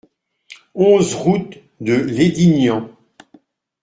onze route de Lédignan